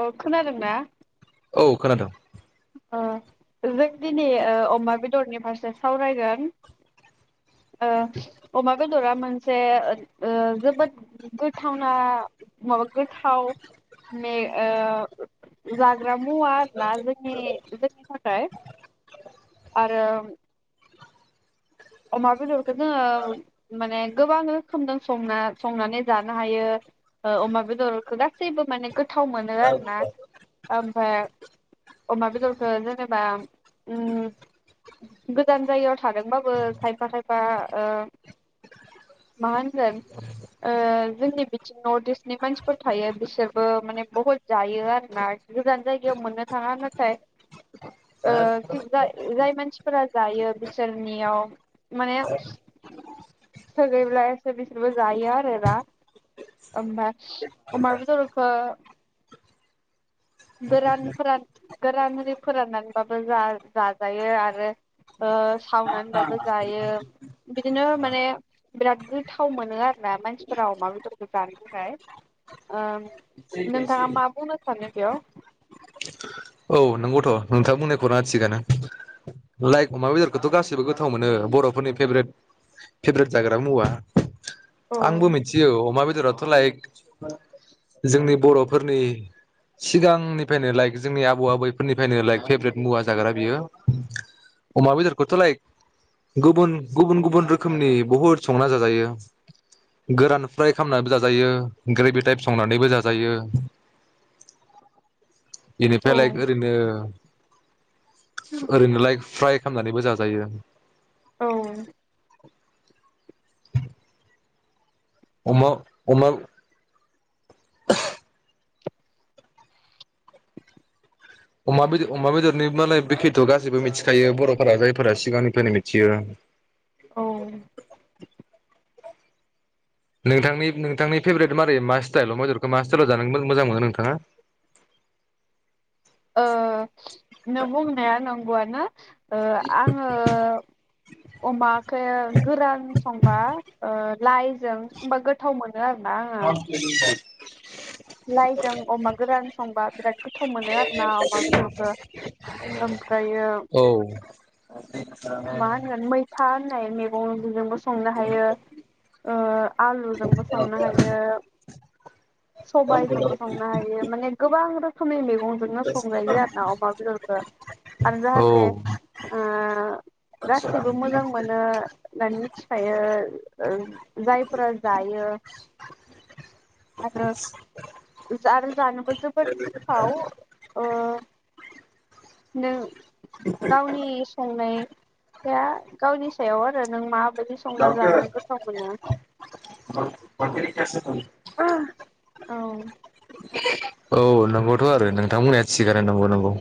औ खोनादोंना? औ खोनादों। ओ जों दिनै अमा बेदरनि फारसे सावरायगोन ओ अमा बेदरा मोनसे जोबोद गोथावना माबा गोथाव मे ओ जाग्रा मुवा आरो ना जों जोंनि थाखाय आरो अमा बेदरखौ जोङो माने गोबां रोखोमजों संना संनानै जानो हायो अमा बेदरखौ गासैबो माने गोथाव मोनो आरोना ओमफ्राय अमा बेदरखौ जेनेबा उम गोजान जायगायाव थादोंबाबो खायफा खायफा ओ मा होनगोन ओ जोंनि बिथिं नर्थ इस्टनि मानसिफोर थायो बिसोरबो माने बहुत जायो आरोना गोजान जायगायाव मोननो थाङा नाथाय ओ जाय मानसिफोरा जायो बिसोरनियाव माने संयोब्ला एसे बिसोरबो जायो आरोना ओमफ्राय अमा बेदरखो गोरान फोरान गोरान ओरि फोराननानैबाबो जा-जाजायो आरो सावनानैबाबो जायो बिदिनो माने बिराद गोथाव मोनो आरोना मानसिफोरा अमा बेदरखौ जानो थाखाय ओ नों दा मा सानगोन [unintelligible] औ नंगौथ' नोंथाङा बुंनायफोरा थिगानानो लाइक अमा बेदरखौथ' गासैबो गोथाव मोनो बर'फोरनि फेभ्रेट फेभ्रेट जाग्रा मुवा औ आंबो मिथियो अमा बे राथ' लाइक जोंनि बर'फोरनि सिगांनिफ्रायनो लाइक जोंनि [unintelligible] [unintelligible] फोरनिफ्रायनो लाइक फेभ्रेट मुवा जाग्रा बियो। अमा बेदरखौथ' लाइक गुबन गुबुन गुबुन रोखोमनि बुहुद संना जाजायो गोरान फ्राय खालामनानैबो जाजायो ग्रेभि टाइप संनानैबो जाजायो। [unintelligible] औ लाइक ओरैनो ओरैनोलाय फ्राय खामनानैबो जाजायो‌। औ अमा अमा अमा बेद अमा बेदरनि मालाय बेखिथ' गासैबो मिथिखायो बर'फोरा जायफोरा सिगांनिफ्रायनो मिथियो। औ नोंथांनि नोंथांनि फेभ्रेट मारै मा स्टाइलाव अमाबेदरखौ मा स्टािइलाव जानो मोजां मोनो नोंथाङा? नों बुंनाया नंगौआनो। ओ आङो अमा खो गोरान संबा ओ लाइजों होनबा गोथाव मोन ओ आरोना आङो। लाइजों अमा गोरान संबा बिराद गोथाव मोनो आरोना अमा बेदरखो। ओमफ्रायो औ मा होनगोन मैथा होननाय मेगंजोंबो सं संनो हायो ओ आलुजोंबो संनो हायो। सबायजोंबो संनो हायो माने गोबां बां रोखोमनि मेगं बनजोंनो संजायो आरो ना अमा बेदरखौ आरो जाहाथे औ आ ओ गासैबो मोजां मोनो होननानै मिथिखायो। ओ जायफोरा जायो आरो [inaudible] [unintelligible] आरो जानोबो जोबोद गोथाव ओ नों गावनि संनाय ख्रैया गावनि सायाव आरो नों मा [unintelligible] [unintelligible] अ औ औ नंगौथ' आरो नोंथां बुंनाया थिगानो नंगौ नंगौ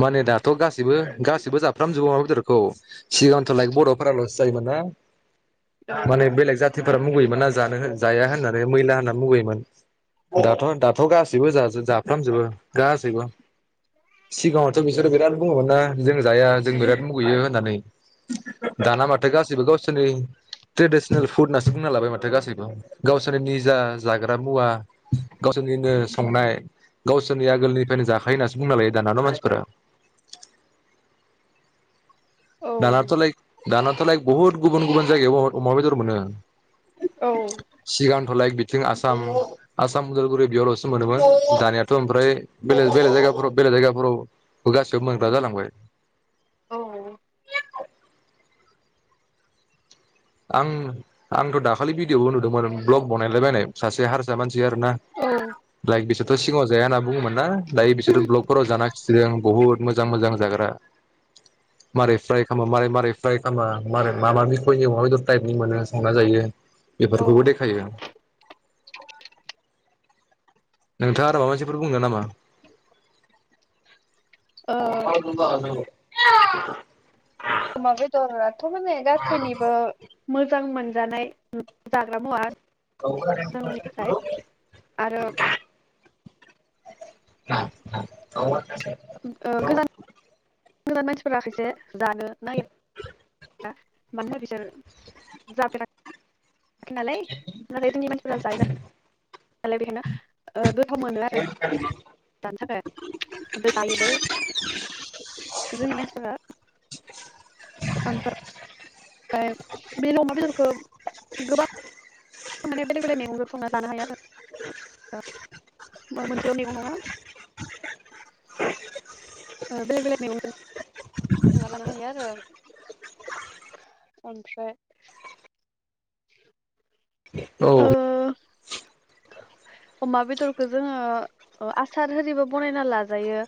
माने दाथ' गासैबो गाैबो जाफ्रामजोबो अमा बेदरखौ। सिगांथ' लाइक बर'फोराल' जायोमोना औ माने बेलेग जा थिफोरा मुगैयोमोन जानो जाया होननानै मैला होनना मुगैयोमोन। दाथ' दाथ' गासैबो जाजोब जाफ्रामजोबो गासैबो सिगाङावथ' बिसोरो बिराद बुङोमोन ना जों जाया जों बिराद मुगैयो होननानै दाना माथो गासैबो गावसोरनि ट्रेडिसनेल फुड होननासो बुंना लाबाय माथो गासैबो गावसोरनि निजा जाग्रा मुवा गावसोरनिनो संनाय गावसोरनि आगोलनिफ्रायनो जाखायो होननासो बुंना लायो दानाथ' मानसिफोरा [inaudible] औ दानाथ लायक दानाथ लायक बहुत गुबुन गुबुन जायगायावबो अमा बेदर मोनो। औ सिगांथ लायक बि थिं आसाम आसाम उदालगुरि बेयावल'सो मोनोमोन दानियाथ' ओमफ्राय बेले बेलेग जायगाफोराव बेलेग जायगाफोराव बो गासैबो मोनग्रा जालांबाय। औ आं आंथ' दाखालि भिडिअ'बो नुदोंमोन ब्लग बनायलायबायनाय सासे हारसा मानसि। आरो ना लाइक [unintelligible] थ' सिगाङाव जाया होनना बुङोमोन ना? दायो बिसोरो ब्लगफोराव जाना खिथिदों बहुद मोजां मोजां जाग्रा मारै फ्राय खामो मारै मारै फ्राय खामबा मारै मा [unintelligible] अमा बेदर टाइपनि मोनो संना जायो। ओ बेफोरखौबो देखायो। नोंथाङा आरो माबा मोनसेफोर बुंनो नामा? [unintelligible] [unintelligible] अमा बेदर थ' माने गासैनिबो मोजां मोनजानाय जाग्रा मुवा। जोंनि थाखाय औ आरो [unintelligible] [unintelligible] [unintelligible] गोदान मानसिफोरा खायसे जानो नागि [unintelligible] मानोना बिसोर जाफेराखै खैनालाय नाथाय जोंनि मानसिया [unintelligible] [unintelligible] बेखौ मोनो आरो जानो थाखाय ओमफ्राय जायोबो। जोंनि मानसिफोरा [inaudible] ओमफ्राय ओमफ्राय बे अमा बेदरखौ गोबां माने बेलेग बेलेग मेगंजों संना जानो हायो ओमोनसेल' मैगं नङा ओं बेलेग बेलेग मेगंजों संना जानो हायो आरो। ओमफ्राय [inaudible] औ ओ अमा बेदरखौ जोङो ओं आसार आरिबो बनायना लाजायो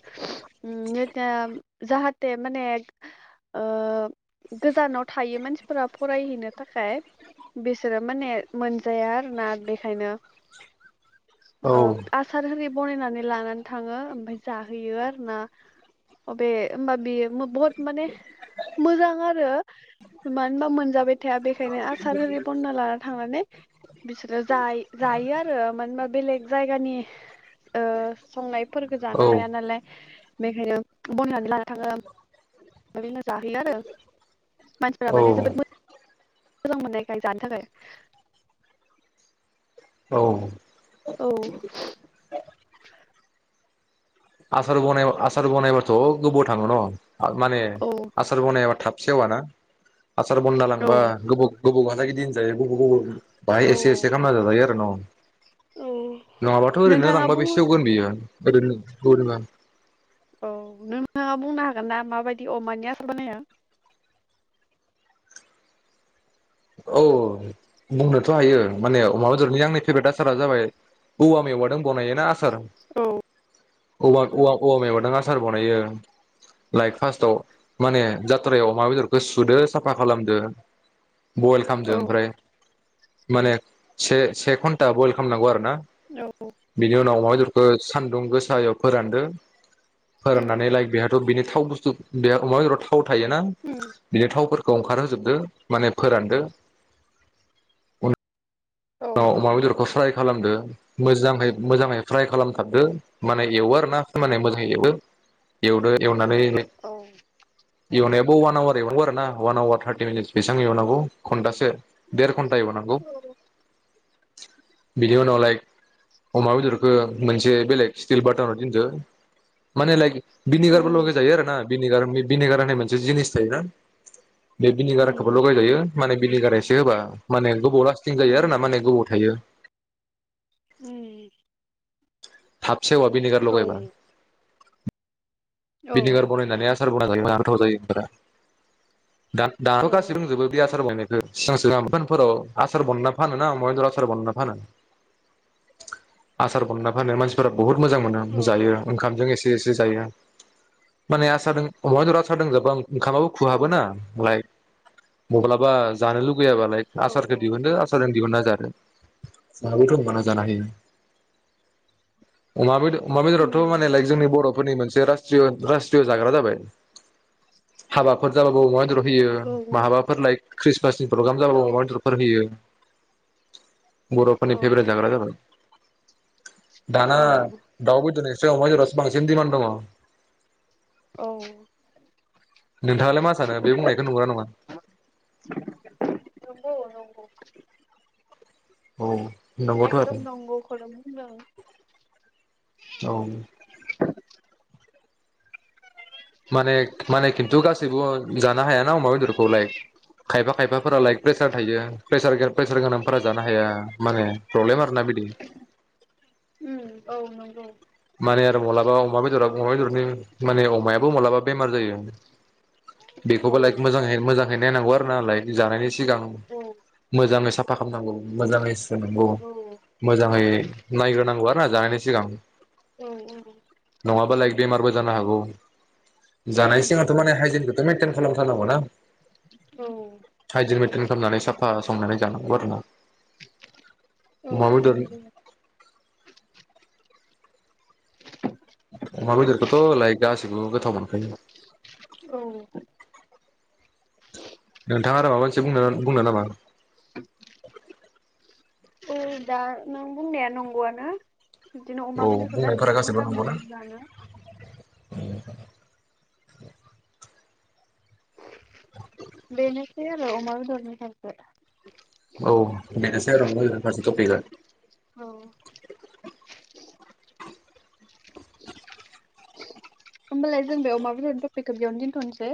ओम जाहाथे माने ओं गोजानाव थायो मानसिफोरा फरायहैनो थाखाय बिसोरो माने मोनजाया आरोना बेखायनो। औ ओं आसार आरि बनायनानै लानानै थाङो ओमफ्राय जाहोयो आरोना बे होमबा बेयो बहुत माने मोजां आरो मानो होनबा मोनजाबाय थाया बेखायनो आसार आरि बनायना लाना थांनानै बिसोरो जायो। जायो आरो मानोबा बेलेग जायगानि ओं संनायफोरफोरखौ औ औ जानो हाया नालाय बेखायनो बनायनै लाना थाङो। आरैनो जाहैयो आरो मानसिफोरा माने जोबोद मोजां मोननायखाय जानो थाखाय औ। आसार बनायबा आसार बनायबाथ' गोबाव थाङो न'? माने औ आसार बनायाबा थाब सेवाना? हासार बनायना लांबा औ गोबाव गोबाव लागे दिन बेयो गोबाव गोबाव बाहाय एसे एसे खालामना जाजायो आरो न'? औ नङाबाथ' ओरैनो नोंथाङा लांबा बे बुं सेवगोन बियो। [unintelligible] [unintelligible] औ नोंथाङा बुंनो हागोन ना माबायदि अमानि आसार बानायो? औ बुंनोथ' हायो माने अमा बेदरनि आंनि फेभरेट आसारा जाबाय औवा मेवा दों बनायो ना आस सार औ औवा औवा औवा मेवायदों आस आसार बानायो लाइक फास्टाव माने जात्रायाव अमा बेदरखौ सुदो साफा खालामदो। बइल खामदो औ ओमफ्राय। माने से-से घन्टा बयल खालामनांगौ आरो ना। औ बिनि उनाव आम बे खौ सान्दुं गोसायाव फोरानदो। उम फोरोंनानै लाइक बेहाथ' बिनो थाव बुस्थु बेया आमा बेदराव थाव थोना उम बिनि थाव फोर अंखारहोजोबदो माने फोरानदो उन औ अमा बेदरखौ फ्राय खालामदो मोजांङै मोजांङै फ्राय हाबदो माने एवो आरोना माने मोजांङै एवो एवदो एव औ [unintelligible] एवनायाबो वान आवार एव आरोना वान आवार थारटि मिनिट बेसां एवनांगौ खनबासो देर खन्टा एव नांगौ। औ बिनि उनाव लाइक अमा बेदरखौ मोनसे बेलेग स्टिल बाटनाव दोनदो माने लाइक बिनिगारबो उम ल'गाय जायो आरोना। बिनेगार उम बिनेगार होननाय मोनसे जिनिस थायोना बे बिनिगाराखोबो उम ल'गायजायो माने बिनिगार एसे होबा माने गोबाव लास्टिं जायो आरो ना उम ओमफायो उम थाब सेवा बिनिगार लगैबा‌ औ औ बिनेगार बनायनानै आसार बना [unintelligible] गोथाव जायो। दा-दा औ गासै दंजोबो बि आसार बनाय ओ सिगां सिगां बनफोराव आसार बनना फानो ना आमाबेदर आसार बनना फानो आसार बनना फानो मानसिफोरा बुहुत मोजां मोन औ जायो ओंखामजों एसे देसे जायो। माने आसा दं अमा बेदर लोंजोबो ओंखामाबो औ खुहाबोना लाइ मबलाबा जानो फैयाबालाय औ आसारखौ दिहुनदो आसारजों दिहुना जादो [unintelligible] जानो हयो अमा अमा उम बेदरावथ मानेलाय जोंनि बर' फोरनि मोनसे राज रासट्रिय जाग्रा जाबाय हाबाफोर जाबाबो अम बेदर होयो औ माबाफोर लाय ख्रि प्रग्राम औ जाबाबो अमा बेदरफोर होयो। बर' औ फोरनि फेभरेट जाग्रा जाबाय दा ना दाव बे सो बांसिन दिमान दंङ। औ नोंथाङालाय मा सानो बे बुंनायखौ नंगौ ना नङा? नंगौ नंगौ औ नंगौथ' एकदम आरो नंगौ खौ नो बुंदों। औ माने माने खिन्थु गासैबो जानो हायाना अमा बेदरखौ लाइक खायफा खायफाफोरा लाइक प्रेसार थायो प्रेसार प्रेसार गोनांफोरा जानो हाया माने प्रब्लेम आरोना बिदि उम औ नंगौ। माने आरो मालाबा अमा बेदर अमा बेदरनि माने अमायाबो मालाबा बेमार जायो। औ बेखौबो लायक मोजाङैनो मोजां ओंखायनो नांगौ आरो ना लायदि जानायनिस सिगां औ मोजाङै साब मफाहामनांगौ मोजाङैस नंगौ औ मोजाङै नायग्रोनांगौ आ आ जानायनि सिगां औ औ नङाबा लायक बेमारबो जानो हागौ। जानाय सिङावथ माने नंगौ हाइजेनखौथ मेनटेन खालाम थारनांगौ ना? औ हाइजेन मेनटेन खामनानै साब अ संनानै जानांगौ आरो ना? औ अमा बेदर नंगो [unintelligible] लगोथाव मोनखायो। औ नोंथाङा आरो माबा मोनसे बुंनो बुंनो नामा? औ दा नों बुंनाया नंगौआनो। बिदिनो औ अमा बेदरखौ बुंनायफोरा गासिखौबो गासैबो मोजां नंगौना मोनो जानो। [inaudible] बेनोसै आ औ अमा बेदरनि फारसे औ बेनोस [unintelligible] औ होमबालाय जों बे अमा बेदरनि टपिकखौ बेयावनो दोनथ'नोसै?